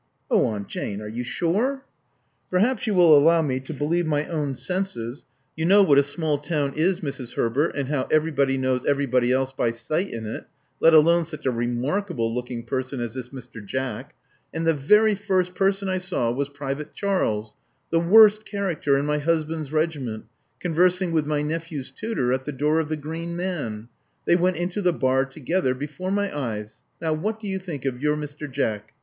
"O Aunt Jane! Are you sure?" "Perhaps you will allow me to believe my own 36 Love Among the Artists senses. I drove through the town on my way here — you know what a small town is, Mrs. Herbert, and how everybody knows everybody else by sight in it, let alone such a remarkable looking person as this Mr. Jack; and the very first person I saw was Private Charles, the worst character in my husband's regiment, conversing with my nephew's tutor at the door of the •Green Man.' They went into the bar together before my eyes. Now, what do you think of your Mr. Jack?"